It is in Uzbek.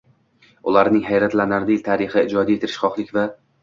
Ularning hayratlanarli tarixi ijodiy tirishqoqlik va